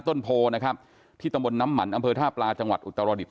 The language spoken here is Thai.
ต้นโปนะครับที่ตะวันน้ำมันอำเพิร์ร์ทหาปลาจังหวัดอุตตรฐิปต์